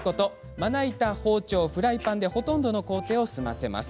まな板、包丁、フライパンでほとんどの工程を済ませます。